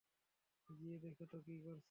গিয়ে দেখ তো কী করছে।